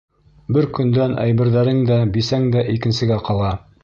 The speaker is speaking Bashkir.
Бер көндән әйберҙәрең дә, бисәң дә икенсегә ҡала.